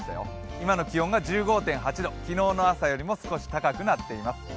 今の気温が１５．８度、昨日の朝よりも少し高くなっています。